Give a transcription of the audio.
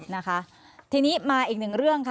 นะคะทีนี้มาอีกหนึ่งเรื่องค่ะ